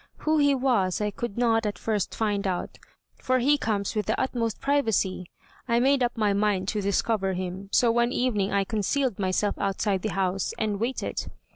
Who he was I could not at first find out, for he comes with the utmost privacy. I made up my mind to discover him; so one evening I concealed myself outside the house, and waited.